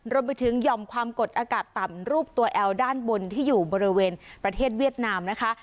หย่อมความกดอากาศต่ำรูปตัวแอลด้านบนที่อยู่บริเวณประเทศเวียดนามนะคะ